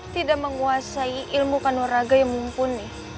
tidak menguasai ilmu kanoraga yang mumpuni